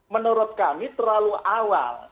menurut kami terlalu awal